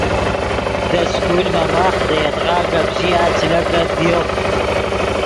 دے سکول ڤے ماخ دے یدغا گپ ژیا چے لکت ڤیو